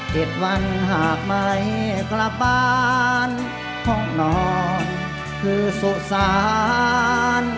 ๗วันหากไม่กลับบ้านห้องนอนคือสุสาน